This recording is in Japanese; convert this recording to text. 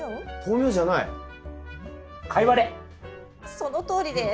そのとおりです。